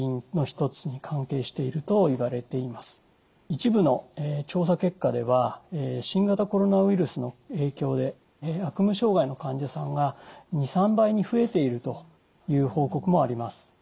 一部の調査結果では新型コロナウイルスの影響で悪夢障害の患者さんが２３倍に増えているという報告もあります。